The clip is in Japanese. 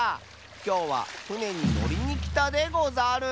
きょうはふねにのりにきたでござる。